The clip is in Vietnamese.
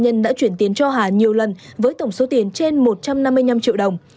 nhân đã chuyển tiền cho hà nhiều lần với tổng số tiền trên một trăm năm mươi năm triệu đồng